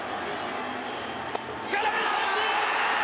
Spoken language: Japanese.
空振り三振！